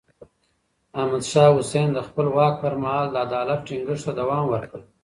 احمد شاه حسين د خپل واک پر مهال د عدالت ټينګښت ته دوام ورکړ.